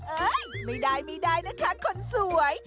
เอ๊ยไม่ได้นะคะคนสวย